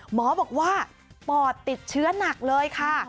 หมอบอกว่าปอดติดเชื้อหนักเลยค่ะ